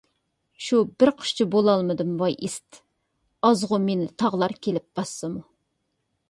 شۇ بىر قۇشچە بولالمىدىم ۋاي ئىسىت، ئازغۇ مېنى تاغلار كېلىپ باسسىمۇ.